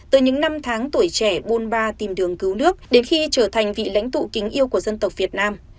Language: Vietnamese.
từ những năm tháng tuổi trẻ bôn ba tìm đường cứu nước đến khi trở thành vị lãnh tụ kính yêu của dân tộc việt nam